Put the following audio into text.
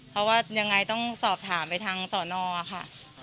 เพราะว่ายังไงต้องสอบถามไปทางสอนอค่ะ